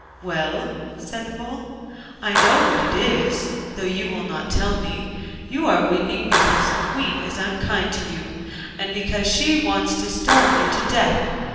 'Well,' said the Bull, 'I know what it is, though you will not tell me; you are weeping because the Queen is unkind to you, and because she wants to starve you to death.